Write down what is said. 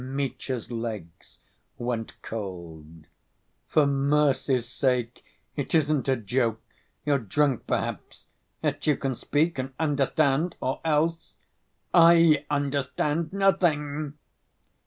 Mitya's legs went cold. "For mercy's sake! It isn't a joke! You're drunk, perhaps. Yet you can speak and understand ... or else ... I understand nothing!"